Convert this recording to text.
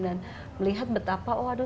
dan melihat betapa oh aduh